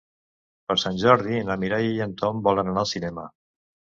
Per Sant Jordi na Mireia i en Tom volen anar al cinema.